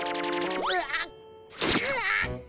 うわっうわっ！